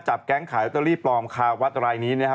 จับแก๊งขายอัตโนโลยีปลอมคาวัดรายนี้นะฮะ